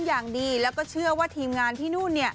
อย่างดีแล้วก็เชื่อว่าทีมงานที่นู่น